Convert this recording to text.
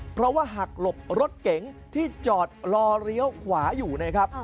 เพราะว่าหักหลบรถเก๋งที่จอดรอเลี้ยวขวาอยู่นะครับ